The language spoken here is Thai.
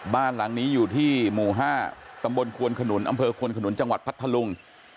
บ้านหลังนี้อยู่ที่หมู่๕ตคอคจพภลุง